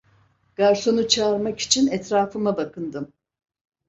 Garsonu çağırmak için etrafıma bakındım.